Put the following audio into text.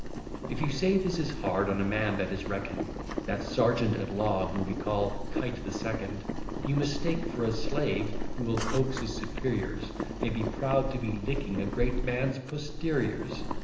If you say this is hard on a man that is reckon'd That sergeant at law whom we call Kite the Second, You mistake; for a slave, who will coax his superiors, May be proud to be licking a great man's posteriors.